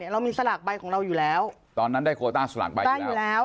เรามีสลากใบของเราอยู่แล้วตอนนั้นได้โคต้าสลากใบถูกอยู่แล้ว